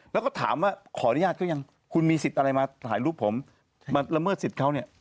แล้วก็ถามว่าขออนุญาตเขายังคุณมีสิทธิ์อะไรมาถ่ายรูปผมมาละเมิดสิทธิ์เขาเนี่ย